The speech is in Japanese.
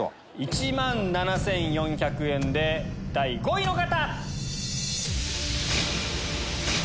１万７４００円で第５位の方！